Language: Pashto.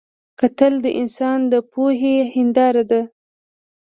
کتل د انسان د پوهې هنداره ده